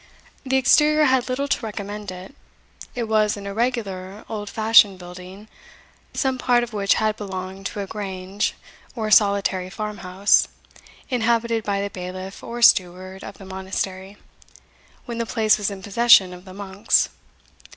The exterior had little to recommend it. It was an irregular old fashioned building, some part of which had belonged to a grange, or solitary farm house, inhabited by the bailiff, or steward, of the monastery, when the place was in possession of the monks.